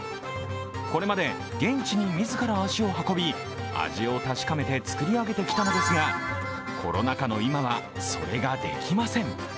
これまで現地に自ら足を運び、味を確かめて作り上げてきたのですが、コロナ禍の今はそれができません。